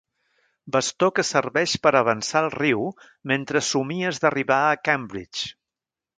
Bastó que serveix per avançar al riu mentre somies d'arribar a Cambridge.